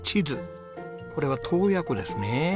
これは洞爺湖ですね。